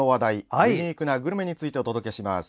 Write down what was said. ユニークなグルメについてお届けします。